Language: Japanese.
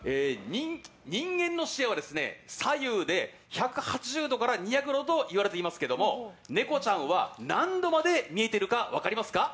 人間の視野は左右で１８０度から２００度といわれていますけどもネコちゃんは何度まで見えているか分かりますか？